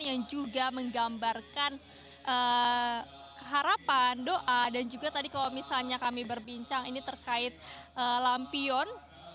yang juga menggambarkan harapan doa dan juga tadi kalau misalnya kami berbincang ini terkait lampion